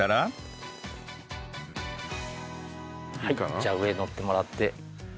じゃあ上へ乗ってもらって。